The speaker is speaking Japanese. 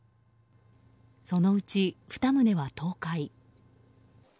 そのうち２棟は倒壊。